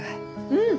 うん。